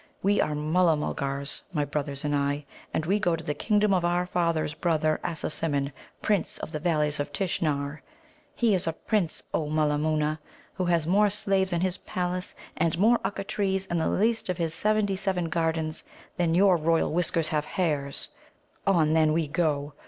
We are Mulla mulgars, my brothers and I, and we go to the kingdom of our father's brother, Assasimmon, Prince of the Valleys of Tishnar. He is a Prince, O Mulla moona, who has more slaves in his palace and more Ukka trees in the least of his seventy seven gardens than your royal whiskers have hairs! On, then, we go!